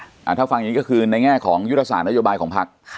ถ้าฟังอย่างนี้ก็คือในแง่ของยุทธศาสตนโยบายของพัก